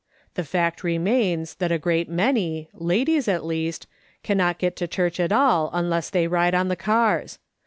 The fact remains that a great many, ladies at least, cannot get to church at all imless they ride on the cars.